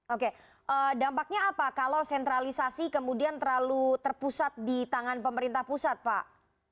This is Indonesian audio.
oke dampaknya apa kalau sentralisasi kemudian terlalu terpusat di tangan pemerintah pusat pak